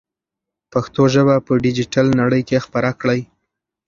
پښتو ژبه په ډیجیټل نړۍ کې خپره کړئ.